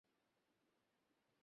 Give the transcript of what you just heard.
আমাদের একজনকে কাজে যেতেই হবে।